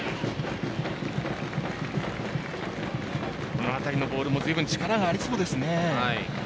この辺りのボールも随分、力がありそうです。